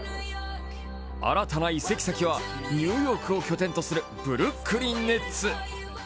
新たな移籍先はニューヨークを起点とするブルックリン・ネッツ。